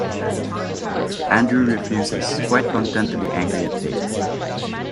Andrew refuses, quite content to be angry at Dave.